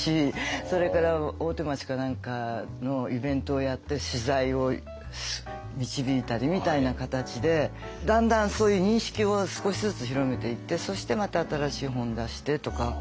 それから大手町か何かのイベントをやって取材を導いたりみたいな形でだんだんそういう認識を少しずつ広めていってそしてまた新しい本出してとか。